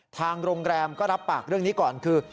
ทางโรงแรมก็รับปากเรื่องนี้ก่อนคือ